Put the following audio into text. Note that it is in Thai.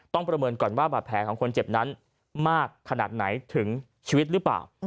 ประเมินก่อนว่าบาดแผลของคนเจ็บนั้นมากขนาดไหนถึงชีวิตหรือเปล่า